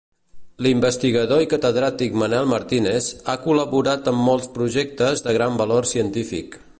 L'investigador i catedràtic Manel Martínez ha col·laborat en molts projectes de gran valor científic.